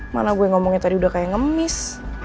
mana gue ngomongin tadi udah kayak ngemis